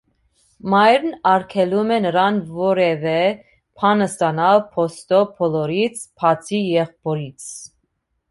Մայրն արգելում է նրան որևէ բան ստանալ փոստով բոլորից, բացի եղբորից։